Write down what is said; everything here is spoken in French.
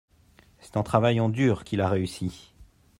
c'est en travaillant dur qu'il a réussi.